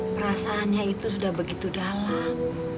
perasaannya itu sudah begitu dalam